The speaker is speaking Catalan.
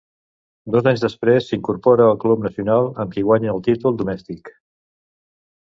Dos anys després s'incorpora al Club Nacional, amb qui guanya el títol domèstic.